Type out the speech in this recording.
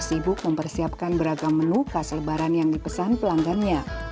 sibuk mempersiapkan beragam menu khas lebaran yang dipesan pelanggannya